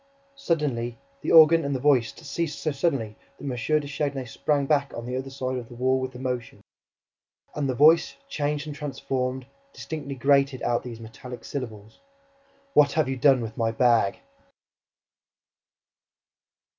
Suddenly, the organ and the voice ceased so suddenly that M. de Chagny sprang back, on the other side of the wall, with emotion. And the voice, changed and transformed, distinctly grated out these metallic syllables: "WHAT HAVE YOU DONE WITH MY BAG?"